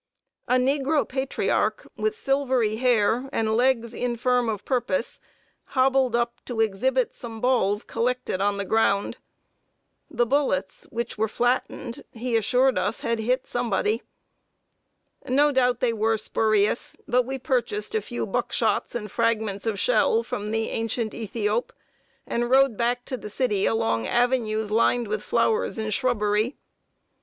A negro patriarch, with silvery hair, and legs infirm of purpose, hobbled up, to exhibit some balls collected on the ground. The bullets, which were flattened, he assured us, had "hit somebody." No doubt they were spurious; but we purchased a few buckshots and fragments of shell from the ancient Ethiop, and rode back to the city along avenues lined with flowers and shrubbery.